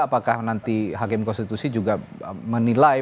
apakah nanti hakim konstitusi juga menilai